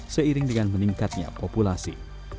seiring dengan meningkatnya populasi